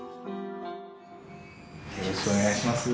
よろしくお願いします。